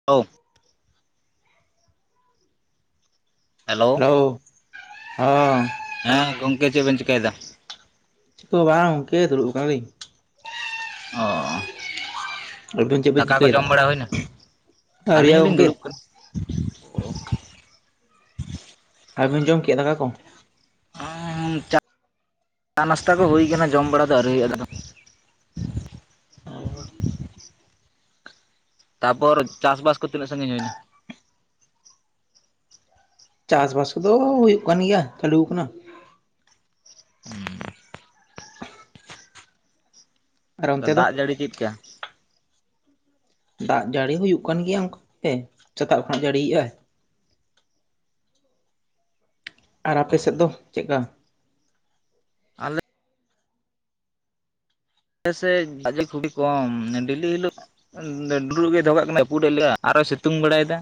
[unintelligible] Hello hello ᱦᱚᱸ ᱦᱮᱸ ᱜᱚᱝᱠᱮ ᱪᱮᱜ ᱵᱮᱱ ᱪᱮᱠᱟᱹᱭ ᱫᱟ? ᱪᱤᱠᱟᱹ ᱦᱚᱸ ᱵᱟᱝ ᱜᱚᱝᱠᱮ ᱫᱩᱲᱩᱵ ᱠᱟᱱᱟᱞᱤᱧ᱾ ᱚ ᱟᱹᱵᱤᱱ ᱪᱮᱫ ᱵᱤᱱ ᱫᱟᱠᱟ ᱠᱚ ᱡᱚᱢ ᱪᱤᱠᱟᱹᱭᱮᱫᱟ ᱵᱟᱲᱟ ᱦᱳᱭ ᱱᱟ ᱟᱹᱞᱤᱧ ᱦᱚᱸ ᱞᱤᱧ ᱫᱩᱲᱩᱵ ᱠᱟᱱᱟ᱾ ᱚ ᱟᱵᱤᱱ ᱡᱚᱢ ᱠᱮᱜᱟ ᱫᱟᱠᱟ ᱠᱚ? ᱪᱟ [inaudible] ᱟ ᱱᱟᱥᱛᱟ ᱫᱚ ᱦᱳᱭ ᱠᱟᱱᱟ ᱡᱚᱢ ᱵᱟᱲᱟ ᱫᱚ ᱟᱹᱣᱨᱤ ᱦᱳᱭᱳᱜ-ᱟ ᱫᱟᱫᱟ᱾ ᱚ ᱛᱟᱯᱚᱨ ᱪᱟᱥ ᱵᱟᱥ ᱠᱚ ᱛᱤᱱᱟᱹᱜ ᱥᱟᱺᱜᱤᱧ ᱦᱩᱭ ᱱᱟ? ᱪᱟᱥ ᱵᱟᱥ ᱠᱚᱫᱚ ᱦᱩᱭᱩᱜ ᱠᱟᱱ ᱜᱮᱭᱟ ᱪᱟᱹᱞᱩ ᱠᱟᱱᱟ ᱦᱩᱸ ᱟᱨ ᱛᱟ ᱚᱱᱛᱮ ᱫᱚ ᱫᱟᱜ ᱡᱟᱹᱲᱤ ᱪᱮᱫ ᱠᱟ? ᱫᱟᱜ ᱡᱟᱹᱲᱤ ᱦᱩᱭᱩᱜ ᱠᱟᱱ ᱜᱮᱭᱟ ᱚᱝᱜᱮ ᱥᱮᱛᱟᱜ ᱠᱷᱚᱱᱟᱜ ᱡᱟᱹᱲᱤ ᱭᱮᱜᱟᱭ ᱟᱨ ᱟᱯᱮ ᱥᱮᱫ ᱫᱚ ᱪᱮᱫᱠᱟ? ᱟᱞᱮ ᱮᱥᱮᱡ ᱫᱟᱜ ᱡᱟᱲᱤ ᱠᱷᱩᱰᱤ ᱠᱚᱢ ᱰᱮᱞᱤ ᱦᱤᱞᱳᱜ ᱴᱟᱴᱨᱩᱜ ᱜᱮ ᱫᱚᱦᱚ ᱠᱟᱜ ᱠᱟᱱᱟᱭ ᱡᱟᱯᱩᱫᱮᱫ ᱞᱮᱭᱟ ᱟᱨᱚᱭ ᱥᱤᱛᱩᱝ ᱵᱟᱲᱟᱭ ᱫᱟ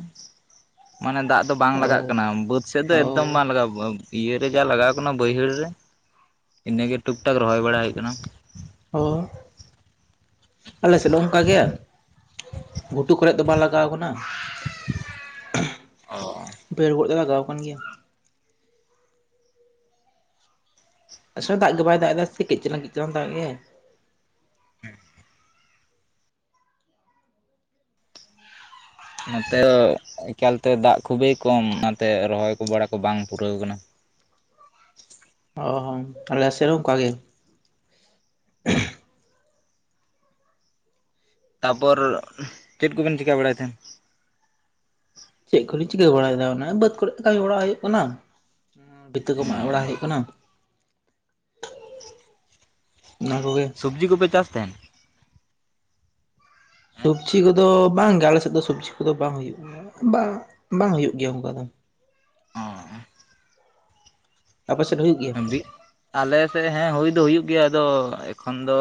ᱢᱟᱱᱮ ᱫᱟᱜ ᱫᱚ ᱵᱟᱝ ᱞᱟᱜᱟᱜ ᱚ ᱠᱟᱱᱟ ᱵᱟᱹᱫᱽ ᱥᱮᱫ ᱫᱚ ᱚ ᱮᱠᱫᱚᱢ ᱵᱟᱝ ᱞᱟᱜᱟᱣ ᱤᱭᱟᱹ ᱨᱮ ᱡᱟ ᱞᱟᱜᱟᱣ ᱠᱟᱱᱟ ᱵᱟᱹᱭᱦᱟᱹᱲ ᱨᱮ ᱤᱱᱟᱹ ᱜᱮ ᱴᱩᱠ ᱴᱟᱠ ᱨᱚᱦᱚᱭ ᱵᱟᱲᱟᱭ ᱦᱩᱭ ᱠᱟᱱᱟ᱾ ᱦᱳ ᱟᱞᱮ ᱥᱮᱫ ᱦᱚᱸ ᱚᱝᱠᱟ ᱜᱮ ᱜᱷᱩᱴᱩ ᱠᱚᱨᱮ ᱫᱚ ᱵᱟᱝ ᱞᱟᱜᱟᱣ ᱠᱟᱱᱟ᱾ [unintelligible] ᱚ ᱯᱮᱲ ᱠᱚᱨᱮᱜ ᱫᱚ ᱞᱟᱜᱟᱣ ᱠᱟᱱ ᱜᱮᱭᱟ ᱟᱥᱚ ᱫᱟᱜ ᱜᱮ ᱵᱟᱭ ᱫᱟᱜ ᱮᱫᱟ ᱥᱮ ᱠᱟᱹᱡ ᱪᱟᱞᱟᱝ ᱠᱟᱹᱡ ᱪᱟᱞᱟᱝ ᱫᱟᱜ ᱜᱮᱜᱟᱭ ᱦᱩᱸ ᱱᱚᱛᱮ ᱫᱚ ᱮᱠᱟᱞᱛᱮ ᱫᱟᱜ ᱠᱷᱩᱵᱮᱭ ᱠᱚᱢ ᱚᱱᱟᱛᱮ ᱨᱚᱦᱚᱭ ᱠᱚ ᱵᱟᱲᱟ ᱠᱚ ᱵᱟᱝ ᱯᱩᱨᱟᱹᱣ ᱠᱟᱱᱟ᱾ ᱚ ᱟᱞᱮ ᱥᱮ ᱦᱚ ᱚᱝᱠᱟ ᱜᱮ ᱛᱟᱯᱚᱨ ᱪᱮᱫ ᱠᱚᱵᱤᱱ ᱪᱤᱠᱟᱹ ᱵᱟᱲᱟᱭ ᱛᱟᱦᱮᱸᱱ? ᱪᱮᱫ ᱠᱚᱞᱤᱧ ᱪᱤᱠᱟᱹ ᱵᱟᱲᱟᱭ ᱫᱟ ᱚᱱᱮ ᱵᱟᱹᱫᱽ ᱠᱚᱨᱮ ᱠᱟᱹᱢᱤ ᱵᱟᱲᱟ ᱦᱳᱭᱳᱜ ᱠᱟᱱᱟ᱾ ᱵᱤᱛᱟᱹ ᱠᱚ ᱢᱟᱜ ᱵᱟᱲᱟ ᱦᱩᱭᱩᱜ ᱠᱟᱱᱟ ᱚᱱᱟ ᱠᱚ ᱜᱮ ᱥᱩᱵᱡᱤ ᱠᱚ ᱯᱮ ᱪᱟᱥ ᱛᱟᱦᱮᱱ? ᱥᱚᱵᱡᱤ ᱠᱚ ᱫᱚ ᱵᱟᱝ ᱜᱮ ᱟᱞᱮ ᱥᱮᱫ ᱫᱚ ᱥᱚᱵᱡᱤ ᱠᱚ ᱫᱚ ᱵᱟᱝ ᱦᱩᱭᱩᱜ ᱜᱮᱭᱟ ᱵᱟᱝ ᱵᱟᱝ ᱦᱩᱭᱩᱜ ᱜᱮᱭᱟ ᱚᱱᱠᱟ ᱫᱚ᱾ ᱟᱯᱮ ᱥᱮᱫ ᱦᱩᱭᱩᱜ ᱜᱮᱭᱟ? ᱟᱞᱮ ᱥᱮᱫ ᱦᱮᱸ ᱦᱩᱭ ᱫᱚ ᱦᱩᱭᱩᱜ ᱜᱮᱭᱟ ᱟᱫᱚ ᱮᱠᱷᱚᱱ ᱫᱚ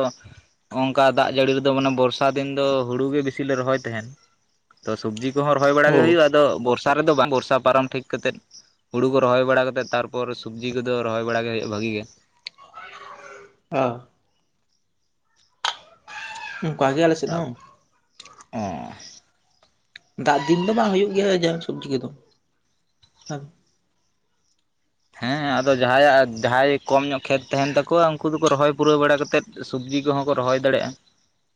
ᱦᱚᱜᱚᱝᱠᱟ ᱫᱟᱜ ᱡᱟᱹᱲᱤ ᱨᱮ ᱫᱚ ᱢᱟᱱᱮ ᱵᱚᱨᱥᱟ ᱫᱤᱱ ᱫᱚ ᱦᱩᱲᱩ ᱜᱮ ᱵᱤᱥᱤ ᱞᱮ ᱨᱚᱦᱚᱭ ᱛᱟᱦᱮᱱ ᱛᱚ ᱥᱚᱵᱡᱤ ᱚᱠᱦᱚ ᱨᱚᱦᱚᱭ ᱵᱟᱲᱟ ᱜᱮ ᱚ ᱦᱩᱭᱩᱜᱼᱟ ᱛᱚ ᱵᱚᱨᱥᱟ ᱨᱮ ᱵᱟᱝ ᱵᱚᱨᱥᱟ ᱯᱟᱨᱚᱢ ᱴᱷᱤᱠ ᱠᱟᱛᱮᱫ ᱦᱩᱲᱩ ᱠᱚ ᱨᱚᱦᱚᱭ ᱵᱟᱲᱟ ᱠᱟᱛᱮ ᱛᱟᱨᱯᱚᱨ ᱥᱚᱵᱡᱤ ᱠᱚ ᱫᱚ ᱨᱚᱦᱚᱭ ᱵᱟᱲᱟ ᱜᱮ ᱦᱳᱭᱳᱜᱼᱟ ᱵᱷᱤ ᱜᱮ ᱚ ᱠᱟ ᱜᱮ ᱟᱞᱮ ᱥᱮᱫ ᱦᱚᱸ ᱮ ᱫᱟᱜ ᱫᱤᱱ ᱫᱚ ᱵᱟᱝ ᱦᱩᱭᱩᱜ ᱜᱮᱭᱟ ᱡᱟᱦᱟᱸ ᱥᱚᱵᱡᱤ ᱠᱚᱫᱚ ᱵᱟᱝ ᱦᱮᱸ ᱟᱫᱚ ᱡᱟᱦᱟᱸᱭᱟᱜ ᱡᱟᱦᱟᱸᱭ ᱠᱚᱢ ᱧᱚᱜ ᱠᱷᱮᱛ ᱛᱟᱦᱮᱱ ᱛᱟᱠᱚᱣᱟ ᱩᱱᱠᱩ ᱫᱚᱠᱚ ᱨᱚᱦᱚᱭ ᱯᱩᱨᱟᱹᱣ ᱵᱟᱲᱟ ᱠᱟᱛᱮᱫ ᱥᱩᱵᱡᱤ ᱠᱚᱦᱚᱸ ᱠᱚ ᱨᱚᱦᱚᱭ ᱫᱟᱲᱮᱭᱟᱜᱼᱟ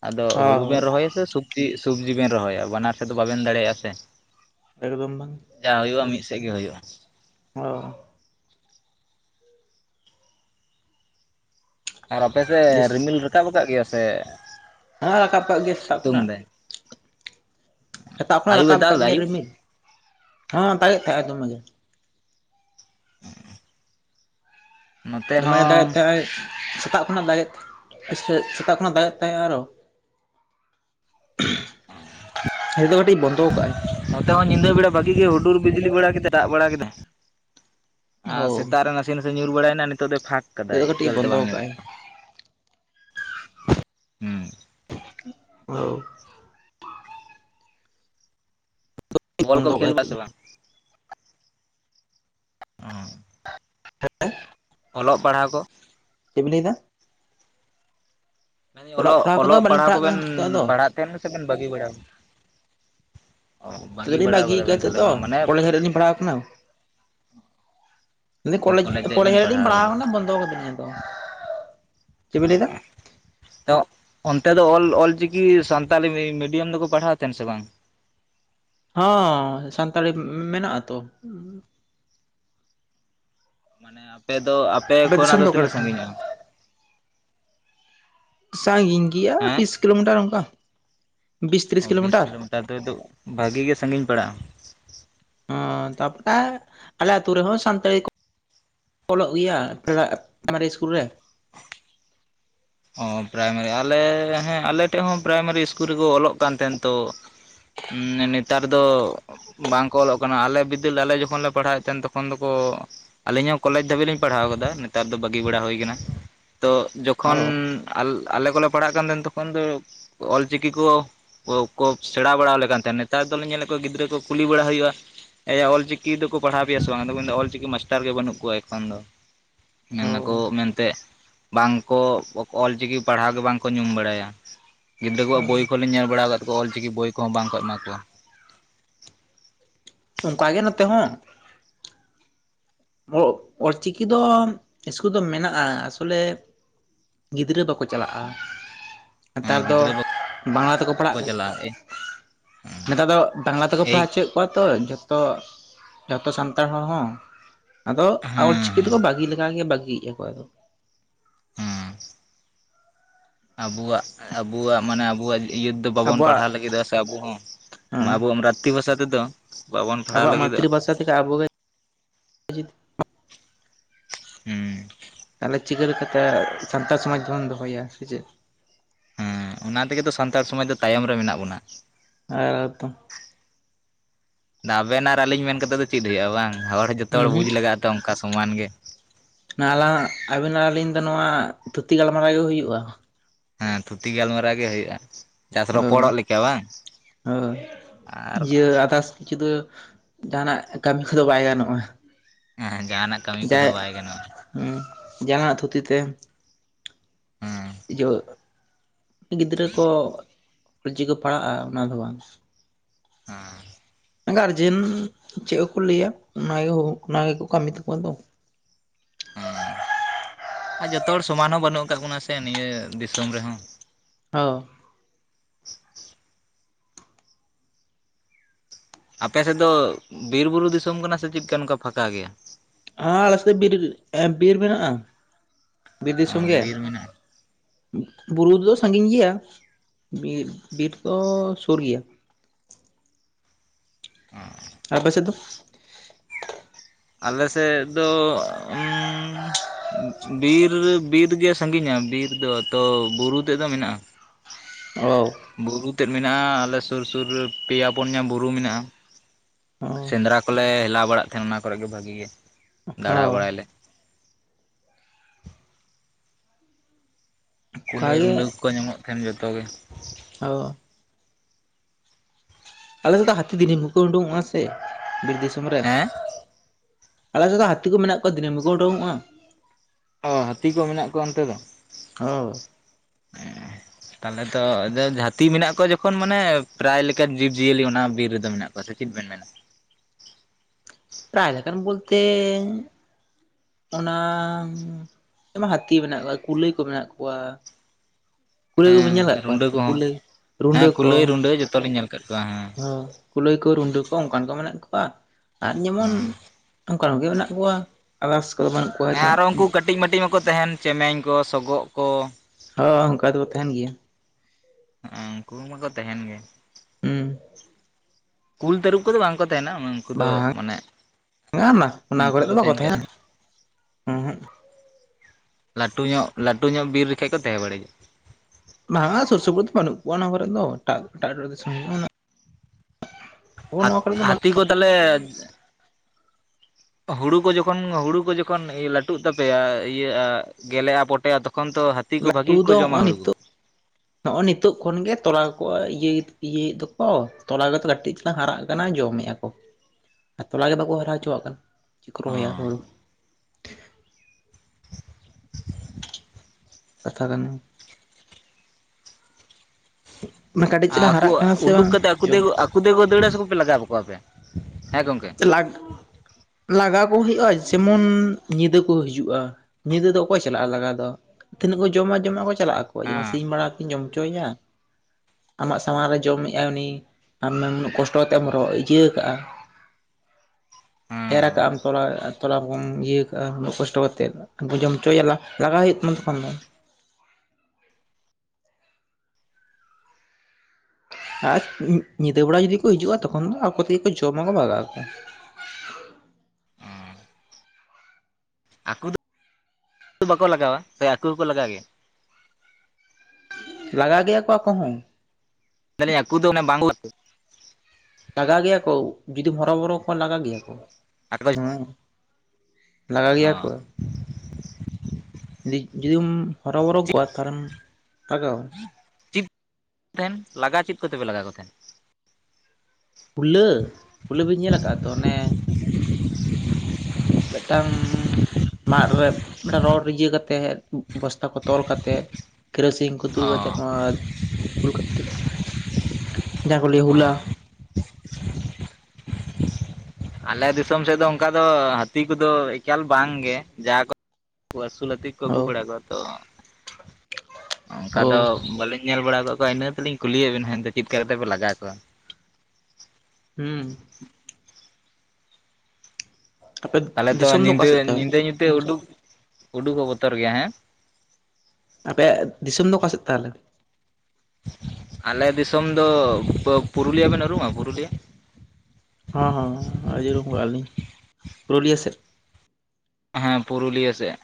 ᱟᱫᱚ ᱦᱩᱲᱩ ᱵᱮᱱ ᱦᱳᱭ ᱨᱚᱦᱚᱭᱟ ᱥᱮ ᱥᱩᱵᱡᱤ ᱥᱩᱵᱡᱤ ᱵᱮᱱ ᱨᱚᱦᱚᱭᱟ ᱵᱟᱱᱟᱨ ᱥᱮᱫ ᱫᱚ ᱵᱟᱵᱮᱱ ᱫᱟᱲᱮᱭᱟᱜᱼᱟ ᱥᱮ ᱮᱠ ᱫᱚᱢ ᱵᱟᱝ ᱡᱟ ᱦᱳᱭᱳᱜ-ᱟ ᱢᱤᱜ ᱥᱮᱜ ᱜᱮ ᱦᱩᱭᱩᱜ-ᱟ ᱚ ᱟᱨ ᱟᱯᱮ ᱥᱮᱜ ᱵᱮᱥ ᱨᱤᱢᱤᱞ ᱨᱟᱠᱟᱵ ᱟᱠᱟᱜ ᱜᱮᱭᱟ ᱥᱮ ᱦᱟᱸ ᱨᱟᱠᱟᱵ ᱠᱟᱜ ᱜᱮᱭᱟ ᱥᱮᱛᱟᱜ ᱥᱤᱛᱩᱝ ᱠᱷᱚᱱᱟᱜ, ᱫᱟᱭ ᱥᱮᱛᱟᱜ ᱠᱷᱚᱱᱟᱜ ᱟᱹᱭᱩᱵ ᱮ ᱨᱟᱠᱟᱵ ᱫᱟᱜ ᱠᱟᱜ ᱞᱮᱫᱟ ᱜᱮᱭᱟ ᱟᱹᱭᱩᱵ ᱨᱤᱢᱤᱞ᱾ ᱦᱚᱸ ᱫᱟᱜᱮᱫ ᱛᱟᱦᱮᱸᱜ-ᱟᱭ ᱫᱚᱢ ᱜᱮ᱾ ᱱᱚᱛᱮ ᱫᱚᱢᱮ ᱜᱮ ᱫᱟᱜᱮᱜ ᱦᱚᱸ ᱛᱟᱦᱮᱸᱜ-ᱟᱭ ᱥᱮᱛᱟᱜ ᱠᱷᱚᱱᱟᱜ ᱫᱟᱜᱮᱫ, ᱥᱮ ᱥᱮᱛᱟᱜ ᱠᱷᱚᱱᱟᱜ ᱫᱟᱜᱮᱫ ᱛᱟᱦᱮᱸᱜ ᱟᱨᱚ᱾ ᱱᱤᱛ ᱫᱚ ᱠᱟᱹᱴᱤᱡ ᱵᱚᱱᱫᱚ ᱠᱟᱜᱼᱟᱭ᱾ ᱱᱚᱛᱮ ᱦᱚᱸ ᱧᱤᱫᱟᱹ ᱵᱮᱲᱟ ᱵᱷᱟᱹᱜᱤ ᱜᱮ ᱦᱩᱰᱩᱨ ᱵᱤᱡᱽᱞᱤ ᱵᱟᱲᱟ ᱠᱟᱛᱮᱫ ᱫᱟᱜ ᱵᱟᱲᱟ ᱠᱮᱫᱟᱭ᱾ ᱟᱸ ᱚ ᱥᱮᱛᱟᱜ ᱨᱮ ᱱᱟᱥᱮ ᱱᱟᱥᱮ ᱧᱩᱨ ᱵᱟᱲᱟᱭᱮᱱᱟ ᱱᱤᱛᱚᱜ ᱫᱚᱭ ᱯᱷᱟᱸᱠ ᱱᱤᱛ ᱠᱟᱫᱟᱭ ᱫᱚ ᱠᱟᱹᱴᱤᱡ ᱮᱠᱮᱞ ᱛᱮ ᱵᱚᱱᱫᱚ ᱵᱟᱝ ᱧᱩᱨᱩᱜ ᱠᱟᱜᱼᱟᱭ ᱠᱟᱱᱟ᱾ ᱦᱩᱸ᱾ [unintelligible] ᱠᱟᱜᱼᱟ ᱵᱚᱞ ᱠᱚ ᱯᱮ ᱱᱤᱛᱚᱜ ᱠᱷᱮᱞ [inaudible] ᱫᱚ ᱥᱮ ᱵᱟᱝ? ᱩᱸ᱾ [inaudible] ᱚᱞᱚᱜ ᱯᱟᱲᱦᱟᱣ ᱠᱚ? ᱪᱮᱜ ᱵᱤᱱ ᱞᱟᱹᱭᱮᱫᱟ? ᱢᱮᱱᱫᱟᱹᱧ ᱚᱞᱚᱜ, ᱠᱚᱫᱚ ᱚᱞᱚᱜ ᱵᱟᱹᱞᱤᱧ ᱯᱟᱲᱦᱟᱜ ᱠᱟᱱᱟ ᱠᱚᱵᱮᱱ ᱱᱤᱛᱚᱜ ᱫᱚ ᱟᱫᱚ᱾ ᱯᱟᱲᱦᱟᱜ ᱛᱟᱦᱮᱸᱱᱟ ᱥᱮ ᱵᱮᱱ ᱵᱟᱹᱜᱤ [inaudible] ᱚ ᱱᱤᱛᱚᱜ ᱫᱚᱞᱤᱧ ᱵᱟᱲᱟᱣ ᱵᱟᱹᱜᱤ ᱠᱟᱫᱟ ᱠᱟᱜ-ᱟ ᱵᱮᱱ ᱦᱤᱛᱚᱜ ᱛᱟᱦᱚᱞᱮ ᱫᱚ ᱵᱟᱝ ᱢᱟᱱᱮ ᱠᱚᱞᱮᱡ ᱫᱷᱟᱨᱤᱡ ᱞᱤᱧ ᱯᱟᱲᱟᱣ ᱟᱠᱟᱱᱟ᱾ ᱞᱟᱹᱭ ᱫᱟᱹᱧ ᱠᱚᱞᱮᱡᱽ ᱫᱷᱟᱹᱵᱤᱡ ᱠᱚᱞᱮᱡᱽ ᱵᱮᱱ ᱦᱟᱨᱤᱡ ᱞᱤᱧ ᱯᱟᱲᱦᱟᱣ ᱯᱟᱲᱟᱣ ᱠᱟᱱᱟ ᱟᱠᱟᱱᱟ ᱵᱚᱱᱫᱚ ᱠᱟᱫᱟᱞᱤᱧ [inaudible] ᱪᱮᱜ ᱵᱤᱱ ᱞᱟᱹᱭᱫᱟ? ᱛᱚ, ᱚᱱᱛᱮ ᱫᱚ ᱚᱞ ᱚᱞ-ᱪᱤᱠᱤ ᱥᱟᱱᱛᱟᱞᱤ ᱢᱤᱰᱤᱭᱟᱢ ᱫᱚᱠᱚ ᱯᱟᱲᱦᱟᱣ ᱛᱟᱦᱮᱸᱱ ᱥᱮ ᱵᱟᱝ? ᱦᱚᱸ ᱥᱟᱱᱛᱟᱲᱤ ᱢᱮᱱᱟᱜ-ᱟ ᱛᱚ᱾ ᱢᱟᱱᱮ ᱟᱯᱮ ᱫᱚ ᱟᱯᱮ ᱠᱷᱚᱱᱟᱜ ᱫᱤᱥᱚᱢ ᱫᱚ ᱚᱠᱟᱨᱮ ᱛᱤᱱᱟᱹᱜ ᱛᱟᱦᱚᱞᱮ? ᱥᱟᱺᱜᱤᱧᱚᱜᱼᱟ? ᱥᱟᱺᱜᱤᱧ ᱜᱮᱭᱟ ᱦᱮᱸ ᱵᱤᱥ ᱠᱤᱞᱳᱢᱤᱴᱟᱨ ᱚᱝᱠᱟ ᱵᱤᱥ, ᱚ ᱛᱤᱨᱤᱥ ᱠᱤᱞᱳᱢᱤᱴᱟᱨ᱾ [unintelligible] ᱵᱷᱟᱜᱤ ᱜᱮ ᱥᱟᱺᱜᱤᱧ ᱯᱟᱲᱟᱜᱼᱟ᱾ ᱚᱸᱻ ᱛᱟᱯᱚᱨᱮ ᱟᱞᱮ ᱟᱹᱛᱩ ᱨᱮᱦᱚᱸ ᱥᱟᱱᱛᱟᱲᱤ ᱠᱚ ᱚᱞᱚᱜ ᱜᱮᱭᱟ ᱯᱨᱟ, ᱯᱨᱟᱭᱢᱟᱨᱤ ᱤᱥᱠᱩᱞ ᱨᱮ᱾ ᱚᱸᱻ ᱯᱨᱟᱭᱢᱟᱨᱤ ᱟᱞᱮ ᱦᱮᱸ ᱟᱞᱮ ᱴᱷᱮᱡ ᱦᱚᱸ ᱯᱨᱟᱭᱢᱟᱨᱤ ᱤᱥᱠᱩᱞ ᱨᱮᱠᱚ ᱚᱞᱚᱜ ᱠᱟᱱ ᱛᱟᱦᱮᱸᱱ ᱛᱚ, ᱩᱸᱻ ᱱᱮᱛᱟᱨ ᱫᱚ ᱵᱟᱝ ᱠᱚ ᱚᱞᱚᱜ ᱠᱟᱱᱟ ᱟᱞᱮ ᱵᱤᱫᱟᱹᱞ ᱟᱞᱮ ᱡᱚᱠᱷᱚᱱ ᱞᱮ ᱯᱟᱲᱦᱟᱣᱮᱫ ᱛᱟᱦᱮᱸᱱ ᱛᱚᱠᱷᱚᱱ ᱫᱚᱠᱚ ᱟᱞᱤᱧ ᱦᱚᱸ ᱠᱚᱞᱮᱡᱽ ᱫᱷᱟᱹᱵᱤᱡ ᱞᱤᱧ ᱯᱟᱲᱦᱟᱣ ᱟᱠᱟᱫᱟ, ᱱᱮᱛᱟᱨ ᱫᱚ ᱵᱟᱹᱜᱤ ᱵᱟᱲᱟ ᱦᱳᱭ ᱟᱠᱟᱱᱟ᱾ ᱛᱚ ᱡᱚ ᱚ -ᱠᱷᱚᱱ ᱟᱞ ᱟᱞᱮ ᱠᱚᱞᱮ ᱯᱟᱲᱦᱟᱜ ᱠᱟᱱ ᱛᱟᱦᱮᱸᱱ ᱛᱚᱠᱷᱚᱱ ᱫᱚ ᱚᱞ-ᱪᱤᱠᱚ ᱠᱚ ᱠᱚ ᱠᱚ ᱥᱮᱬᱟ ᱵᱟᱲᱟ ᱟᱞᱮ ᱠᱟᱱ ᱛᱟᱦᱮᱸᱱ, ᱱᱮᱛᱟᱨ ᱫᱚᱞᱮ ᱧᱮᱞᱮᱫ ᱠᱚᱣᱟ ᱜᱤᱫᱽᱨᱟᱹ ᱠᱚ ᱠᱩᱞᱤ ᱵᱟᱲᱟ ᱦᱩᱭᱩᱜᱼᱟ, ᱮ ᱭᱟ ᱚᱞ-ᱪᱤᱠᱤ ᱫᱚᱠᱚ ᱯᱟᱲᱦᱟᱣ ᱯᱮᱭᱟ ᱥᱮ ᱵᱟᱝ? ᱟᱫᱚ ᱠᱚ ᱢᱮᱱᱫᱟ ᱚᱞ-ᱪᱤᱠᱤ ᱢᱟᱥᱴᱟᱨ ᱜᱮ ᱵᱟᱹᱱᱩᱜ ᱠᱚᱣᱟ ᱮᱠᱷᱚᱱ ᱫᱚ᱾ ᱚ ᱢᱮᱱ ᱟᱠᱚ ᱢᱮᱱᱛᱮᱜ, ᱵᱟᱝ ᱠᱚ ᱚᱞ-ᱪᱤᱠᱤ ᱯᱟᱲᱦᱟᱣ ᱜᱮ ᱵᱟᱝᱠᱚ ᱧᱩᱢ ᱵᱟᱲᱟᱭᱟ᱾ ᱜᱤᱫᱽᱨᱟᱹ ᱚ ᱠᱚᱣᱟᱜ ᱵᱳᱭ ᱠᱚ ᱞᱤᱧ ᱧᱮᱞ ᱵᱟᱲᱟᱣ ᱠᱟᱫ ᱛᱟᱠᱚ ᱚᱞ-ᱪᱤᱠᱤ ᱵᱳᱭ ᱠᱚᱦᱚᱸ ᱵᱟᱝᱠᱚ ᱮᱢᱟ ᱠᱚᱣᱟ᱾ ᱚᱝᱠᱟ ᱜᱮ ᱱᱚᱛᱮ ᱦᱚᱸ᱾ [unintelligible] ᱚᱞ-ᱪᱤᱠᱤ ᱫᱚ, ᱤᱥᱠᱩᱞ ᱫᱚ ᱢᱮᱱᱟᱜᱼᱟ ᱟᱥᱚᱞᱮ ᱜᱤᱫᱽᱨᱟᱹ ᱵᱟᱠᱚ ᱪᱟᱞᱟᱜᱼᱟ᱾ ᱱᱮᱛᱟᱨ ᱦᱮᱸ ᱫᱚ ᱜᱤᱫᱽᱨᱟᱹ ᱵᱟᱝᱞᱟ ᱛᱮᱠᱚ ᱯᱟᱲᱦᱟᱜ ᱠᱚ ᱪᱟᱞᱟᱜᱼᱟ ᱱᱮᱛᱟᱨ ᱫᱚ ᱵᱟᱝᱞᱟ ᱛᱮᱠᱚ ᱮᱭ ᱦᱮᱸ ᱯᱟᱲᱦᱟᱣ ᱦᱚᱪᱚᱭᱮᱫ ᱠᱚᱣᱟ ᱛᱚ ᱡᱷᱚᱛᱚ, ᱡᱷᱚᱛᱚ ᱥᱟᱱᱛᱟᱲ ᱦᱚᱲ ᱦᱚᱸ᱾ ᱟᱫᱚ ᱚᱞ-ᱪᱤᱠᱤ ᱦᱮᱸ ᱫᱚᱠᱚ ᱵᱟᱹᱜᱤ ᱞᱮᱠᱟ ᱜᱮ ᱵᱟᱹᱜᱤᱭᱮᱜ-ᱟ ᱠᱚ ᱟᱫᱚ᱾ ᱦᱩᱸ᱾ ᱟᱵᱚᱣᱟᱜ, ᱟᱵᱚᱣᱟᱜ ᱢᱟᱱᱮ ᱟᱵᱚᱣᱟᱜ ᱤᱭᱟ ᱫᱚ ᱵᱟᱵᱚᱱ ᱯᱟᱲᱦᱟᱣ ᱟᱵᱚᱣᱟᱜ ᱞᱟᱹᱜᱤᱫᱼᱟ ᱥᱮ ᱟᱵᱚ ᱦᱚᱸ, ᱟᱵᱚᱣᱟᱜ ᱢᱨᱟᱛᱛᱤ ᱵᱷᱟᱥᱟ ᱛᱮᱫᱚ᱾ ᱵᱟᱵᱚᱱ ᱯᱟᱲᱦᱟᱣ ᱟᱵᱚᱟᱜ ᱢᱟᱛᱨᱤ ᱞᱟᱹᱜᱤᱫᱚᱜᱼᱟ ᱵᱷᱟᱥᱟ ᱛᱮᱜᱮ ᱟᱵᱚ ᱜᱮ ᱦᱩᱸ᱾ ᱛᱟᱦᱞᱮ ᱪᱤᱠᱟᱹ ᱞᱮᱠᱟᱛᱮ ᱥᱟᱱᱛᱟᱲ ᱥᱚᱢᱟᱡᱽ ᱵᱚᱱ ᱫᱚᱦᱚᱭᱟ, ᱥᱮ ᱪᱮᱫ? ᱦᱮᱸ ᱚᱱᱟ ᱛᱮᱜᱮ ᱛᱚ ᱥᱟᱱᱛᱟᱲ ᱥᱚᱢᱟᱡᱽ ᱫᱚ ᱛᱟᱭᱚᱢ ᱨᱮ ᱢᱮᱱᱟᱜ ᱵᱚᱱᱟ᱾ [unintelligible] ᱟᱵᱮᱱ ᱟᱨ ᱟᱹᱞᱤᱧ ᱢᱮᱱ ᱠᱟᱛᱮᱫ ᱫᱚ ᱪᱮᱫ ᱦᱩᱭᱩᱜ-ᱟ ᱵᱟᱝ, ᱦᱚᱲ ᱡᱚᱛᱚ ᱦᱩᱸ ᱦᱚᱲ ᱵᱩᱡᱽ ᱦᱩᱸ ᱞᱟᱜᱟᱜ-ᱟ ᱛᱚ ᱚᱱᱠᱟ ᱥᱚᱢᱟᱱ ᱜᱮ᱾ ᱦᱮᱸ ᱟᱞᱟᱝ, ᱟᱹᱵᱤᱱ ᱟᱨ ᱟᱞᱤᱧ ᱫᱚ ᱱᱚᱣᱟ ᱛᱷᱩᱛᱤ ᱜᱟᱞᱢᱟᱨᱟᱣ ᱜᱮ ᱦᱩᱭᱩᱜ-ᱟ᱾ ᱦᱮᱸ ᱛᱷᱩᱛᱤ ᱜᱟᱞᱢᱟᱨᱟᱣ ᱜᱮ ᱦᱩᱭᱩᱜ-ᱟ᱾ ᱡᱟᱥ ᱨᱚᱯᱚᱲᱚᱜ ᱦᱳᱭ ᱞᱮᱠᱟ ᱵᱟᱝ, ᱟᱨ [unintelligible] ᱟᱫᱟᱥ ᱠᱤᱪᱷᱩ ᱫᱚ ᱡᱟᱸᱦᱟᱱᱟᱜ ᱠᱟᱹᱢᱤ ᱠᱚᱫᱚ ᱵᱟᱭ ᱜᱟᱱᱚᱜ-ᱟ᱾ ᱦᱮᱸ ᱡᱟᱸᱦᱟᱱᱟᱜ ᱠᱟᱹᱢᱤ ᱠᱚᱫᱚ ᱵᱟᱭ ᱜᱟᱱᱚᱜ-ᱟ᱾ ᱦᱩᱸ, ᱡᱟᱦᱟᱱᱟᱜ ᱛᱷᱩᱛᱤ ᱛᱮ᱾ ᱦᱮᱸ ᱤᱭᱟᱹ ᱜᱤᱫᱽᱨᱟᱹ ᱠᱚ ᱚᱞᱪᱤᱠᱤ ᱠᱚ ᱯᱟᱲᱦᱟᱜ-ᱟ ᱚᱱᱟ ᱫᱚ ᱵᱟᱝ᱾ ᱟᱸᱻ ᱜᱟᱨᱡᱮᱱ ᱪᱮᱫ ᱠᱚᱠᱚ ᱞᱟᱹᱭᱟ, ᱚᱱᱟᱜᱮ ᱦᱳ, ᱚᱱᱟ ᱜᱮᱠᱚ ᱠᱟᱹᱢᱤ ᱛᱟᱠᱚᱣᱟ ᱛᱚ᱾ ᱦᱩᱸ, ᱟᱨ ᱡᱚᱛᱚ ᱦᱚᱲ ᱥᱚᱢᱟᱱ ᱦᱚᱸ ᱵᱟᱹᱱᱩᱜ ᱟᱠᱟᱫ ᱵᱚᱱᱟ ᱥᱮ ᱱᱤᱭᱟᱹ ᱫᱤᱥᱚᱢ ᱨᱮᱦᱚᱸ᱾ ᱦᱚ᱾ ᱟᱯᱮᱥᱮᱫ ᱫᱚ ᱵᱤᱨ ᱵᱩᱨᱩ ᱫᱤᱥᱚᱢ ᱠᱟᱱᱟ ᱥᱮ ᱪᱮᱫᱠᱟ ᱱᱚᱝᱠᱟ ᱯᱷᱟᱸᱠᱟ ᱜᱮᱭᱟ? ᱦᱟᱸ ᱟᱞᱮ ᱥᱮᱫ ᱵᱤᱨ, ᱦᱮᱸ ᱵᱤᱨ ᱢᱮᱱᱟᱜ-ᱟ, ᱵᱤᱨ ᱚ ᱫᱤᱥᱚᱢ ᱜᱮ᱾ ᱵᱤᱨ ᱢᱮᱱᱟᱜᱼᱟ ᱵᱩᱨᱩ ᱫᱚ ᱥᱟᱺᱜᱤᱧ ᱜᱮᱭᱟ, ᱵᱤᱨ ᱵᱤᱨ ᱫᱚ ᱥᱩᱨ ᱜᱮᱭᱟ᱾ ᱦᱩᱸ᱾ ᱟᱯᱮ ᱥᱮᱫ ᱫᱚ? ᱟᱞᱮ ᱥᱮᱫ ᱫᱚ ᱩᱸᱻ ᱵᱤᱨ, ᱵᱤᱨ ᱜᱮ ᱥᱟᱺᱜᱤᱧᱟ ᱵᱤᱨ ᱫᱚ ᱛᱚ ᱵᱩᱨᱩ ᱛᱮᱫ ᱫᱚ ᱢᱮᱱᱟᱜ-ᱟ᱾ ᱚ᱾ ᱵᱩᱨᱩ ᱛᱮᱫ ᱢᱮᱱᱟᱜ-ᱟ ᱟᱞᱮ ᱥᱩᱨ ᱥᱩᱨ ᱯᱮᱭᱟ ᱯᱩᱱᱤᱭᱟ ᱵᱩᱨᱩ ᱢᱮᱱᱟᱜ-ᱟ᱾ ᱚ ᱥᱮᱸᱫᱽᱨᱟ ᱠᱚᱞᱮ ᱦᱮᱞᱟᱣ ᱵᱟᱲᱟᱜ ᱛᱟᱦᱮᱸᱫ ᱚᱱᱟ ᱠᱚᱨᱮ ᱜᱮ ᱵᱷᱟᱜᱤ ᱜᱮ ᱫᱟᱬᱟ ᱚ ᱵᱟᱲᱟᱭᱟᱞᱮ᱾ ᱠᱩᱞᱟᱹᱭ, ᱨᱩᱸᱰᱟᱹ ᱚᱱᱠᱟᱜᱮ ᱠᱚᱠᱚ ᱧᱟᱢᱚᱜ ᱛᱟᱦᱮᱱ ᱡᱚᱛᱚ ᱜᱮ᱾ ᱚ᱾ ᱟᱞᱮ ᱥᱮᱫ ᱫᱚ ᱦᱟᱹᱛᱤ ᱫᱚ ᱫᱤᱱ ᱦᱚᱸᱠᱚ ᱩᱰᱩᱝᱚᱜ-ᱟ ᱥᱮ, ᱵᱤᱨ ᱫᱤᱥᱚᱢ ᱨᱮ᱾ ᱦᱮᱸ ᱟᱞᱮ ᱥᱮᱫ ᱫᱚ ᱦᱟᱹᱛᱤ ᱠᱚ ᱢᱮᱱᱟᱜ ᱠᱚᱣᱟ ᱫᱤᱱᱟᱹᱢ ᱜᱮᱠᱚ ᱩᱰᱩᱝᱚᱜ-ᱟ᱾ ᱚ, ᱦᱟᱹᱛᱤ ᱠᱚ ᱢᱮᱱᱟᱜ ᱠᱚᱣᱟ ᱚᱱᱛᱮ ᱫᱚ᱾ ᱦᱳ᱾ ᱦᱮᱸ᱾ ᱛᱟᱦᱞᱮ ᱛᱚ ᱡᱟᱭ ᱦᱟᱹᱛᱤ ᱢᱮᱱᱟᱜ ᱠᱚᱣᱟ ᱡᱚᱠᱷᱚᱱ ᱢᱟᱱᱮ ᱯᱨᱟᱭ ᱞᱮᱠᱟᱱ ᱡᱤᱵᱽ ᱡᱤᱭᱟᱹᱞᱤ ᱚᱱᱟ ᱵᱤᱨ ᱨᱮᱫᱚ ᱢᱮᱱᱟᱜ ᱠᱟᱣᱟ ᱥᱮ ᱪᱮᱫ ᱵᱮᱱ ᱢᱮᱱᱟ? ᱯᱨᱟᱭ ᱞᱮᱠᱟᱱ ᱵᱚᱞᱛᱮ ᱚᱱᱟᱻ ᱵᱟᱝ ᱦᱟᱹᱛᱤ ᱢᱮᱱᱟᱜ ᱠᱚᱣᱟ, ᱠᱩᱞᱟᱹᱭ ᱠᱚ ᱢᱮᱱᱟᱜ ᱠᱚᱣᱟ᱾ ᱠᱩᱞᱟᱹᱭ ᱠᱚᱵᱤᱱ ᱧᱮᱞ ᱦᱮᱸ ᱟᱠᱟᱫ ᱠᱚᱣᱟ ᱨᱩᱸᱰᱟᱹ ᱛᱚ ᱠᱚᱦᱚᱸ, ᱠᱩᱞᱟᱹᱭ ᱦᱮᱸ ᱨᱩᱰᱟᱹ ᱠᱩᱞᱟᱹᱭ ᱨᱩᱸᱰᱟᱹ ᱡᱚᱛᱚ ᱞᱤᱧ ᱧᱮᱞ ᱠᱟᱫ ᱠᱚᱣᱟ ᱦᱮᱸ᱾ ᱚ, ᱠᱩᱞᱟᱹᱭ ᱠᱚ, ᱨᱩᱸᱰᱟᱹ ᱠᱚ ᱚᱱᱠᱟᱱ ᱠᱚ ᱢᱮᱱᱟᱜ ᱠᱚᱣᱟ᱾ ᱟᱨ ᱡᱮᱢᱚᱱ ᱦᱮᱸ ᱚᱝᱠᱟᱱ ᱠᱚᱜᱮ ᱢᱮᱱᱟᱜ ᱠᱚᱣᱟ, ᱟᱫᱟᱥ ᱠᱚ ᱠᱚ ᱵᱟᱱᱩᱜ ᱠᱚᱣᱟ ᱦᱮᱸ ᱧᱚᱜ ᱟᱨᱚ ᱩᱱᱠᱩ ᱠᱟᱹᱴᱤᱡ ᱢᱟᱹᱴᱤᱡ ᱢᱟᱠᱚ ᱛᱟᱦᱮᱸᱱ ᱪᱮᱢᱮᱧ ᱠᱚ, ᱥᱚᱜᱚᱜ ᱠᱚ᱾ ᱦᱚᱸ ᱚᱝᱠᱟ ᱫᱚᱠᱚ ᱛᱟᱦᱮᱱ ᱜᱮᱭᱟ᱾ ᱦᱮᱸ, ᱩᱝᱠᱩ ᱢᱟᱠᱚ ᱛᱟᱦᱮᱱ ᱜᱮ᱾ ᱦᱩᱸ᱾ ᱠᱩᱞ ᱛᱟᱹᱨᱩᱵ ᱠᱚᱫᱚ ᱵᱟᱝ ᱠᱚ ᱛᱟᱦᱮᱱᱟ ᱩᱱᱟᱹᱝ᱾ ᱵᱟᱝ ᱜᱟᱱᱟ ᱚᱱᱟ ᱩᱱᱠᱩ ᱠᱚᱨᱮ ᱫᱚ ᱠᱚ ᱵᱟᱠᱚ ᱛᱟᱦᱮᱱ ᱠᱷᱟᱡ ᱛᱟᱦᱮᱸᱱᱟ ᱩᱦᱩᱸᱜ᱾ ᱞᱟᱹᱴᱩ ᱧᱚᱜ ᱞᱟᱹᱴᱩ ᱧᱚᱜ ᱵᱤᱨ ᱨᱮᱠᱷᱟᱡ ᱠᱚ ᱛᱟᱦᱮᱸ ᱵᱟᱹᱲᱤᱡᱚᱜ ᱰᱟᱝ-ᱟ ᱥᱤᱨᱥᱩᱯᱩᱨ ᱫᱚ ᱵᱟᱱᱩᱜ ᱠᱚᱣᱟ ᱚᱱᱟ ᱠᱚᱨᱮᱫ ᱫᱚ ᱮᱴᱟᱜ ᱮᱴᱟᱜ ᱫᱤᱥᱚᱢ ᱢᱮᱱᱟᱜ-ᱟ ᱩᱱᱟᱹᱜ᱾ ᱦᱟᱛ ᱠᱚᱨᱮ ᱫᱚ ᱵᱟᱹᱱᱩᱜ ᱦᱟᱛᱤ ᱠᱚ ᱛᱟᱦᱞᱮᱻ ᱦᱩᱲᱩ ᱠᱚ ᱡᱚᱠᱷᱚᱱ ᱦᱩᱲᱩ ᱠᱚ ᱡᱚᱠᱷᱚᱱ ᱞᱟᱹᱴᱩᱜ ᱛᱟᱯᱮᱭᱟ ᱤᱭᱟᱹ ᱟᱜ ᱜᱮᱞᱮᱜ-ᱟ ᱯᱚᱴᱮᱜ-ᱟ ᱛᱚᱠᱷᱚᱱ ᱛᱚ ᱦᱟᱹᱛᱤ ᱠᱚ ᱵᱷᱟᱹᱜᱤ ᱞᱟᱹᱴᱩ ᱜᱮᱠᱚ ᱫᱚ ᱡᱚᱢᱟ ᱱᱚᱜᱼᱚᱭ ᱦᱩᱲᱩ? ᱱᱤᱛᱚᱜ ᱱᱚᱜᱼᱚᱭ ᱱᱤᱛᱚᱜ ᱠᱷᱚᱱᱜᱮ ᱛᱚᱞᱟ ᱠᱚᱜ ᱤᱭᱟᱹ ᱤᱭᱟᱹᱭᱮᱫ ᱫᱚᱠᱚ ᱛᱚᱞᱟ ᱠᱟᱛᱮ ᱠᱟᱹᱴᱤᱡ ᱪᱟᱞᱟᱝ ᱦᱟᱨᱟᱜ ᱠᱟᱱᱟ ᱡᱚᱢᱮᱫᱼᱟ ᱠᱚ᱾ [inaudible] ᱟᱨ ᱛᱚᱞᱟ ᱜᱮ ᱵᱟᱠᱚ ᱦᱟᱨᱟ ᱦᱚᱪᱚᱣᱟᱜ ᱠᱟᱱ ᱪᱮᱫ ᱠᱚ ᱚ ᱨᱚᱦᱚᱭᱟ ᱦᱩᱲᱩ᱾ ᱠᱟᱛᱷᱟ ᱠᱟᱱᱟ ᱾ ᱚᱱᱟ ᱠᱟᱹᱴᱤᱡ ᱪᱟᱞᱟᱝ ᱦᱟᱨᱟᱜ ᱟᱠᱚᱣᱟᱜ ᱠᱟᱱᱟ ᱥᱮ ᱩᱰᱩᱠ ᱵᱟᱝ ᱠᱟᱛᱮ ᱟᱹᱠᱩ ᱛᱮᱜᱮ ᱡᱚᱢ ᱟᱹᱠᱩ ᱛᱮᱜᱮᱠ ᱫᱟᱹᱲᱟ ᱥᱮᱠᱚᱯᱮ ᱞᱟᱜᱟ ᱟᱜᱩ ᱠᱚᱣᱟᱯᱮ ᱦᱮᱸ ᱜᱚᱝᱠᱮ? ᱞᱟᱜ ᱞᱟᱜᱟᱣ ᱠᱚ ᱦᱩᱭᱩᱜ-ᱟ ᱡᱮᱢᱚᱱ, ᱧᱤᱫᱟᱹ ᱠᱚ ᱦᱤᱡᱩᱜ-ᱟ᱾ ᱧᱤᱫᱟᱹ ᱫᱚ ᱚᱠᱚᱭ ᱪᱟᱞᱟᱜᱼᱟ ᱞᱟᱜᱟ ᱫᱚ, ᱛᱤᱱᱟᱹᱜ ᱠᱚ ᱡᱚᱢᱟ ᱡᱚᱢᱟᱠᱚ᱾ ᱪᱟᱞᱟᱜ ᱟᱠᱚ ᱦᱮᱸ ᱡᱮᱢᱚᱱ ᱥᱤᱧ ᱵᱟᱲᱟ ᱠᱤᱢ ᱡᱚᱢ ᱦᱚᱪᱚᱭᱭᱟ? ᱟᱢᱟᱜ ᱥᱟᱢᱟᱱ ᱨᱮ ᱡᱚᱢᱮᱫ-ᱟᱭ ᱩᱱᱤ ᱟᱢᱮᱢ ᱠᱚᱥᱴᱚ ᱠᱟᱛᱮᱜ ᱮᱢᱚ ᱨᱚᱜ ᱤᱭᱟᱹ ᱠᱟᱜᱼᱟ᱾ ᱦᱮᱸ ᱮᱨ ᱦᱮᱸ ᱟᱠᱟᱜ ᱟᱢ ᱛᱷᱚᱞᱟᱻ ᱛᱚᱞᱟ ᱡᱚᱵᱚᱵ ᱤᱭᱟᱹ ᱠᱟᱜᱼᱟ ᱩᱱᱟᱹᱜ ᱠᱚᱥᱴᱚ ᱠᱟᱛᱮ, ᱡᱚᱢ ᱦᱚᱪᱚᱭᱟ ᱱᱟᱜ ᱞᱟᱜᱟ ᱦᱳᱭᱳᱜ ᱛᱟᱢ ᱛᱚᱠᱷᱚᱱ ᱫᱚ᱾ ᱟᱨ ᱧᱤᱫᱟᱹ ᱵᱮᱲᱟ ᱡᱩᱫᱤ ᱠᱚ ᱦᱤᱡᱩᱜᱼᱟ ᱛᱚᱠᱷᱚᱱ ᱫᱚ ᱟᱠᱚ ᱛᱮᱜᱮ ᱠᱚ ᱡᱚᱢ-ᱟᱠᱚ ᱵᱟᱜᱟᱜ-ᱟᱠᱚ᱾ ᱟᱠᱚ ᱫᱚ ᱵᱟᱠᱚ ᱞᱟᱜᱟᱣᱟ, ᱥᱮ ᱟᱠᱚ ᱦᱚᱸᱠᱚ ᱞᱟᱜᱟᱣ ᱜᱮᱭᱟ᱾? ᱞᱟᱜᱟ ᱜᱮᱭᱟ ᱠᱚ ᱟᱠᱚ ᱦᱚᱸ᱾ ᱢᱮᱱᱫᱟᱞᱟᱹᱧ ᱟᱠᱩ ᱫᱚ ᱚᱱᱟ ᱵᱟᱝᱞᱟ ᱛᱮ ᱞᱟᱜᱟ ᱜᱮᱭᱟ ᱠᱚ, ᱡᱩᱫᱤᱢ ᱦᱚᱨᱚᱵᱚᱨᱚ ᱠᱚᱣᱟ ᱞᱟᱜᱟ ᱜᱮᱭᱟ ᱠᱚ᱾ ᱟᱜ ᱫᱚᱭ ᱦᱩᱸ ᱞᱟᱜᱟ ᱜᱮᱭᱟ ᱠᱚ᱾ ᱡᱩᱫᱤ ᱡᱩᱫᱤᱢᱻ ᱦᱚᱨᱚ ᱵᱚᱨᱚ ᱠᱚᱣᱟ ᱛᱟᱦᱚᱞᱮᱢ ᱞᱟᱜᱟᱣᱟ᱾ ᱭᱮᱦᱟᱱ ᱞᱟᱜᱟ ᱪᱮᱫ ᱠᱚᱛᱮᱯᱮ ᱞᱟᱜᱟ ᱠᱚ ᱛᱟᱦᱮᱫ? ᱯᱷᱩᱞᱟᱹᱻ ᱯᱷᱩᱞᱟᱹ ᱵᱤᱱ ᱧᱮᱞ ᱟᱠᱟᱫᱼᱟ ᱛᱚ ᱚᱱᱮ ᱢᱤᱫᱴᱟᱝᱻᱢᱟᱫᱨᱮ ᱢᱮᱫᱴᱟᱝ ᱨᱚᱰ ᱨᱮ ᱤᱭᱟᱹ ᱠᱟᱛᱮᱫ ᱵᱚᱥᱛᱟ ᱠᱚ ᱛᱚᱞ ᱠᱟᱛᱮ ᱠᱮᱨᱳᱥᱤᱱ ᱠᱚᱼᱼ ᱚ ᱫᱩᱞ ᱠᱟᱛᱮ ᱱᱚᱣᱟ ᱫᱩᱞ ᱠᱟᱛᱮᱫ, ᱡᱟᱸᱦᱟ ᱠᱚ ᱞᱟᱹᱭᱟ ᱚ ᱦᱩᱞᱟ᱾ ᱟᱞᱮ ᱫᱤᱥᱚᱢ ᱥᱮᱫ ᱫᱚ ᱚᱱᱠᱟ ᱫᱚ ᱦᱟᱹᱛᱤ ᱠᱚᱫᱚ ᱮᱠᱟᱞ ᱵᱟᱝᱜᱮ, ᱡᱟ ᱠᱚ ᱟᱹᱥᱩᱞ ᱦᱟᱹᱛᱤ ᱠᱚ ᱟᱹᱜᱩ ᱚ ᱵᱟᱲᱟ ᱠᱚᱣᱟ ᱛᱚ, ᱚᱱᱠᱟ ᱚ ᱫᱚ ᱵᱟᱹᱞᱤᱧ ᱧᱮᱞ ᱵᱟᱲᱟ ᱟᱠᱟᱫ ᱠᱚᱣᱟ ᱤᱱᱟᱹ ᱛᱮᱞᱤᱧ ᱠᱩᱞᱤᱭᱮᱫ ᱵᱮᱱᱟ ᱫᱚ ᱪᱮᱫ ᱠᱟᱛᱮᱫ ᱯᱮ ᱞᱟᱜᱟ ᱠᱚᱣᱟ? ᱦᱩᱸᱻ ᱟᱯᱮ ᱛᱟᱦᱚᱞᱮ ᱛᱚ ᱫᱤᱥᱚᱢ ᱫᱚ ᱚᱠᱟ ᱧᱤᱫᱟᱹ ᱥᱮᱫ ᱛᱟᱦᱚᱞᱮ ᱧᱤᱫᱟᱹ ᱧᱩᱛᱮ ᱩᱸᱰᱩᱠ ᱩᱸᱰᱩᱠ ᱦᱚᱸ ᱵᱚᱛᱚᱨ ᱜᱮᱭᱟ ᱦᱮᱸ? ᱟᱯᱮᱭᱟᱜ ᱫᱤᱥᱚᱢ ᱫᱚ ᱚᱠᱟ ᱥᱮᱫ ᱛᱟᱦᱚᱞᱮ? ᱟᱞᱮ ᱫᱤᱥᱚᱢ ᱫᱚ ᱯᱚ ᱯᱩᱨᱩᱞᱤᱭᱟᱹ ᱵᱮᱱ ᱩᱨᱩᱢᱚᱜᱼᱟ ᱯᱩᱨᱩᱞᱤᱭᱟᱹ? ᱦᱚᱸ ᱦᱚᱸ ᱯᱩᱨᱩᱞᱤᱭᱟ ᱥᱮᱫᱼᱼ ᱦᱮᱸ ᱯᱩᱨᱩᱞᱤᱭᱟᱹ ᱥᱮᱫ᱾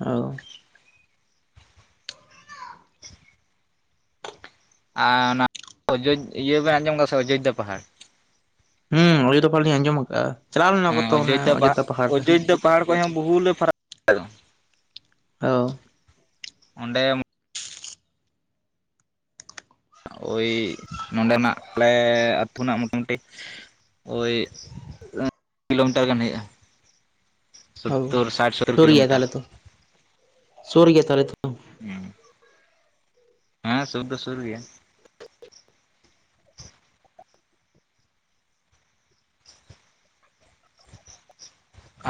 ᱳᱻ ᱟᱨ ᱚᱱᱟ ᱚᱳᱡᱳᱽ ᱤᱭᱟᱹ ᱵᱮᱱ ᱟᱸᱡᱚᱢ ᱟᱠᱟᱫᱟ ᱥᱮ ᱚᱡᱳᱫᱽᱫᱷᱟ ᱯᱟᱦᱟᱲ᱾ ᱦᱩᱸ ᱚᱡᱳᱫᱷᱟ ᱯᱟᱦᱟᱲ ᱞᱤᱧ ᱟᱸᱡᱚᱢ ᱟᱠᱟᱫᱼᱟ᱾ ᱪᱟᱞᱟᱣ ᱞᱮᱱᱟ ᱠᱚᱛᱚ ᱚᱱᱟ ᱚᱡᱳᱫᱽᱫᱷᱟ ᱯᱟᱦᱟᱲ ᱨᱮ᱾ ᱯᱟᱦᱟᱲ ᱠᱷᱚᱡ ᱦᱚᱸ ᱵᱚᱦᱩ ᱞᱮ ᱯᱷᱟᱨᱟ ᱛᱚᱻ᱾ ᱚᱸᱰᱮ ᱢ ᱳᱭ ᱱᱚᱰᱮᱱᱟᱜ ᱟᱞᱮ ᱟᱹᱛᱩ ᱨᱮᱱᱟᱜ ᱢᱳᱴᱟᱢᱩᱴᱤ ᱳᱭ [inaudible] ᱠᱤᱞᱳᱢᱤᱴᱟᱨ ᱜᱟᱱ ᱦᱩᱭᱩᱜᱼᱟ᱾ ᱚ ᱥᱳᱛᱛᱨ, ᱥᱟᱴ ᱥᱳᱛᱛᱨ ᱥᱩᱨ ᱜᱮᱭᱟ ᱠᱤᱞᱳᱢᱤᱴᱟᱨ᱾ ᱛᱟᱦᱚᱞᱮ ᱛᱚ ᱥᱩᱨ ᱜᱮᱭᱟ ᱛᱟᱦᱚᱞᱮ ᱛᱚ ᱦᱩᱸ᱾ ᱦᱮᱸ ᱥᱩᱨ ᱫᱚ ᱥᱩᱨ ᱜᱮᱭᱟ᱾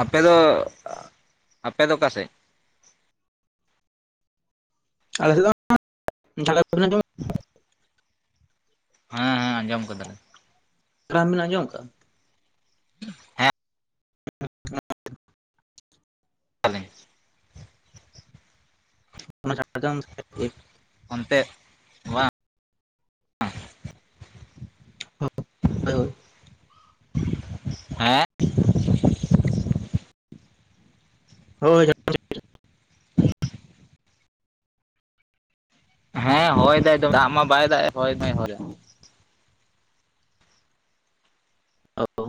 ᱟᱯᱮ ᱫᱚ, ᱟᱯᱮ ᱫᱚ ᱚᱠᱟ ᱥᱮᱫ? ᱟᱞᱮᱥᱮᱫ ᱫᱚ [unintelligible] ᱦᱮᱸ ᱦᱮᱸ ᱟᱸᱡᱚᱢ ᱠᱟᱫᱟᱞᱮ᱾ ᱠᱨᱟᱢ ᱵᱤᱱ ᱟᱡᱚᱢ ᱠᱟᱜᱼᱟ? ᱦᱮᱸ᱾ [inaudible] ᱟᱞᱤᱧ [unintelligible] ᱚᱱᱛᱮᱫ᱾ [unintelligible] ᱦᱮᱸ? ᱦᱳᱭ ᱦᱮᱸ ᱦᱚᱭ ᱫᱟᱭ ᱫᱚᱢᱮ ᱫᱟᱜ ᱢᱟ ᱵᱟᱭ ᱫᱟᱜ-ᱮᱫ, ᱦᱚᱭ ᱢᱟᱭ ᱦᱚᱭᱫᱟ᱾ ᱚ᱾